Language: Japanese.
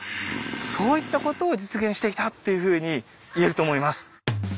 そういったことを実現していたというふうに言えると思います。